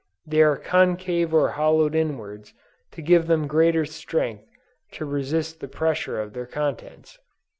They are concave or hollowed inwards to give them greater strength to resist the pressure of their contents!